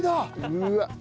うわっ！